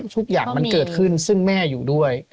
ทุกอย่างมันเกิดขึ้นซึ่งแม่อยู่ด้วย